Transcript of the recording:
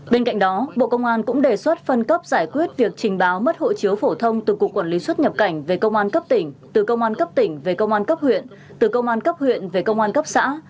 bên cạnh đó bộ công an cũng đề xuất phân cấp giải quyết việc trình báo mất hộ chiếu phổ thông từ cục quản lý xuất nhập cảnh về công an cấp tỉnh từ công an cấp tỉnh về công an cấp huyện từ công an cấp huyện về công an cấp xã